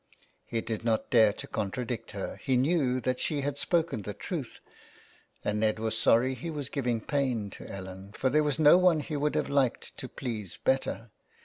He did not dare to contradict her ; he knew that she had spoken the truth ; and Ned was sorry he was giving pain to Ellen, for there was no one he would have liked to please better.